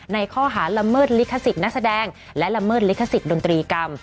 ในข้อหาละเมิดลิขสิทธิ์นักแสดงและละเมิดลิขสิทธิดนตรีกรรม